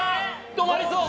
止まりそう。